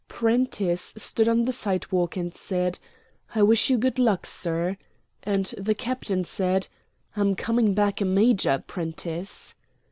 Prentiss stood on the sidewalk and said: "I wish you good luck, sir." And the Captain said: "I'm coming back a Major, Prentiss."